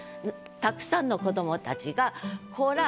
たくさんの子どもたちが「子ら」